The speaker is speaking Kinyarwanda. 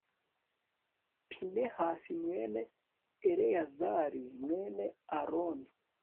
pinehasi mwene eleyazari, mwene aroni